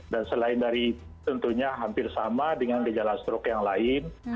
dan selain dari tentunya hampir sama dengan gejala struk yang lain